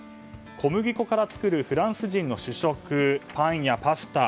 小麦粉から作るフランス人の主食パンやパスタ